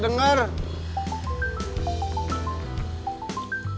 diangkat dulu aku